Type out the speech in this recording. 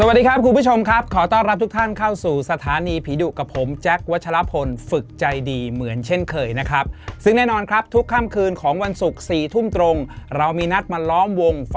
สวัสดีครับคุณผู้ชมครับขอต้อนรับทุกท่านเข้าสู่สถานีผีดุกับผมแจ๊ควัชลพลฝึกใจดีเหมือนเช่นเคยนะครับซึ่งแน่นอนครับทุกค่ำคืนของวันศุกร์๔ทุ่มตรงเรามีนัดมาล้อมวง